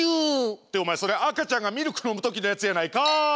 っておまえそれあかちゃんがミルクのむときのやつやないかい！